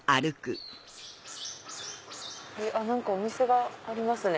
何かお店がありますね。